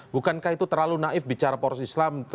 bukankah itu terlalu naif bicara poros islam